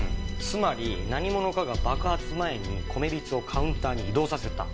つまり何者かが爆発前に米びつをカウンターに移動させた。